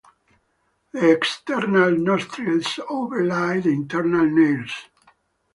"The external nostrils overlie the internal nares".